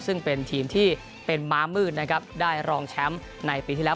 ซึ่งเป็นทีมที่เป็นม้ามืดนะครับได้รองแชมป์ในปีที่แล้ว